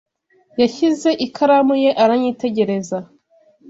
[S] Yashyize ikaramu ye aranyitegereza.